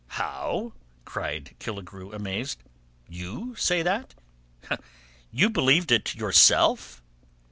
"How?" cried Killigrew, amazed. "You say that? You believed it yourself?"